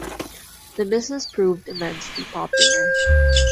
The business proved immensely popular.